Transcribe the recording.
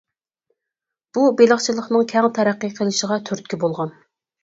بۇ بېلىقچىلىقنىڭ كەڭ تەرەققىي قىلىشىغا تۈرتكە بولغان.